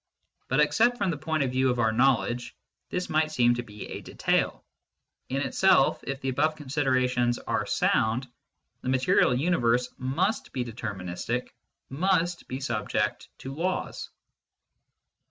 But except from the point of view of our knowledge, this might seem to be a detail : in itself, if the above considerations are sound, the material universe must be deterministic, must be subject to laws.